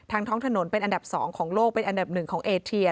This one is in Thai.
ท้องถนนเป็นอันดับ๒ของโลกเป็นอันดับหนึ่งของเอเทีย